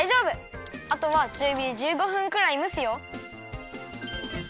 あとはちゅうびで１５分くらいむすよ。